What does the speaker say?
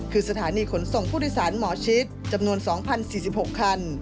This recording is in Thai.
คือสถานีขนส่งผู้โดยสารหมอชิดจำนวน๒๐๔๖คัน